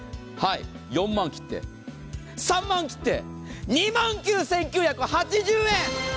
４万切って３万切って２万９９８０円。